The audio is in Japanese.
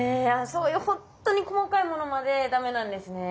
そういうほんとに細かいものまでダメなんですね。